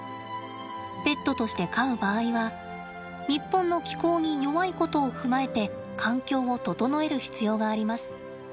ペットとして飼う場合は日本の気候に弱いことを踏まえて環境を整える必要があります。